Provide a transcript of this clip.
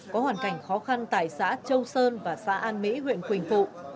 có hoàn cảnh khó khăn tại xã châu sơn và xã an mỹ huyện quỳnh phụ